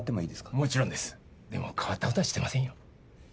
もちろんですでも変わったことはしてませんよ